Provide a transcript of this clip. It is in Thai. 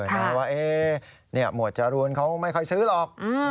นะว่าหมวดจรูนเขาไม่ค่อยซื้อหรอก